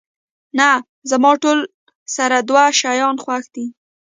نه، زما ټول سره دوه شیان خوښ دي.